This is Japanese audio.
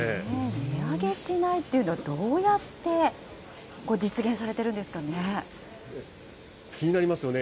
値上げしないというのは、どうやって実現されているんですか気になりますよね。